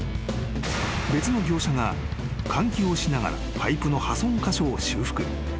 ［別の業者が換気をしながらパイプの破損箇所を修復］